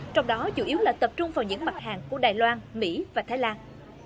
trong đó chủ yếu là tập trung vào những mặt hàng của đài loan mỹ và thái lan